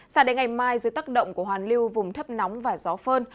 xả đến ngày mai dưới tắc động của hoàn lưu vùng thấp nóng và gió phơn